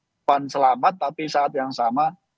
korban selamat tapi saat yang sama